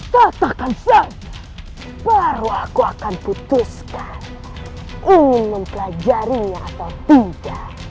katakan sam baru aku akan putuskan ingin mempelajarinya atau tidak